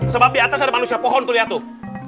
sebab di atas ada manusia pohon tuh lihat tuh